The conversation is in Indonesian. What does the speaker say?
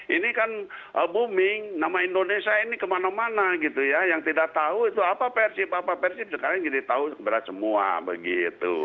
ini kan booming nama indonesia ini kemana mana gitu ya yang tidak tahu itu apa persib apa persib sekarang jadi tahu sebenarnya semua begitu